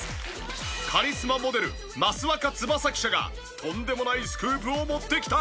カリスマモデル益若つばさ記者がとんでもないスクープを持ってきた！